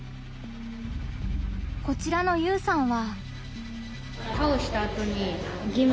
こちらのゆうさんは。